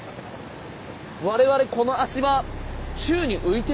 我々この足場宙に浮いてるんだよ。